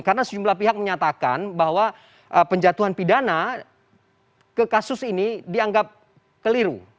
karena sejumlah pihak menyatakan bahwa penjatuhan pidana ke kasus ini dianggap keliru